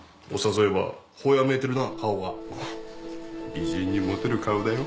美人にモテる顔だよ。